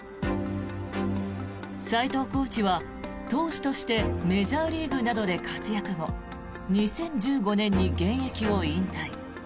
斎藤コーチは投手としてメジャーリーグなどで活躍後２０１５年に現役を引退。